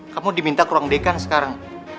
kamu diminta ke ruang dekan sekarang